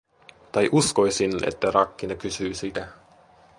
Tai uskoisin, että rakkine kysyy sitä.